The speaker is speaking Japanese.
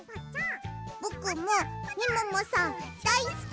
「ぼくもみももさんだいすき！」